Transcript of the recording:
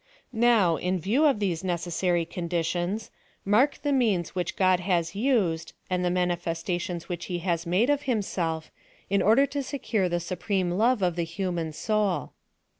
Now, in view of these necessary conditions, mark the nieans which God has used, and the manifesta tions which he has made of Himself, in order to secure the supreme love o( the human soul.